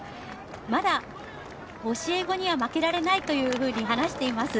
まだ教え子には負けられないと話しています。